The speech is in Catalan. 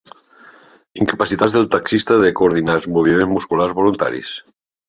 Incapacitats del taxista de coordinar els moviments musculars voluntaris.